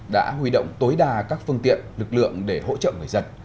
đã huy động tối đa các phương tiện lực lượng để hỗ trợ người dân